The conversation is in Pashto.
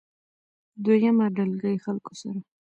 دويمه ډلګۍ خلکو سره